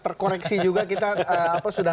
terkoreksi juga kita sudah